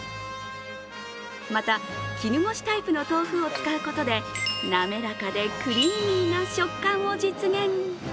また、絹ごしタイプの豆腐を使うことで滑らかでクリーミーな食感を実現。